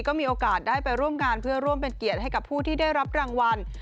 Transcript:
ก็มีโอกาสได้ไปร่วมงานเพื่อร่วมเป็นเกียรติให้กับผู้ที่ได้รับรางวัล